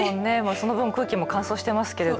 その分空気も乾燥してますけど。